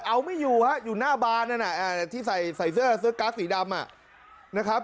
แต่เอามิยูฮะอยู่หน้าบานนะนะที่ใส่เสื้อกั๊กสีดำน่ะครับ